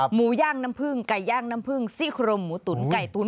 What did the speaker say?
หมูย่างน้ำผึ้งไก่ย่างน้ำผึ้งซี่โครงหมูตุ๋นไก่ตุ๋น